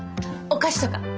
お菓子とか。